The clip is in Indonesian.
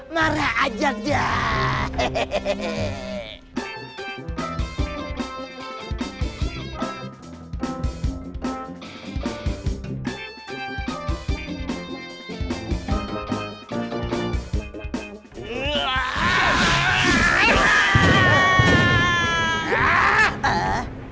marah aja deh